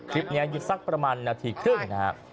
คลิปนี้อยู่สักประมาณนาทีครึ่งนะครับ